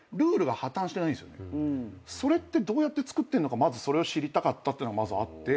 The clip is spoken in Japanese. それってどうやって作ってるのかまずそれを知りたかったっていうのまずあって。